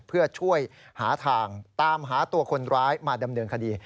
เพื่อช่วยหาทางตามหาตัวคนร้ายมาดำเนินคดี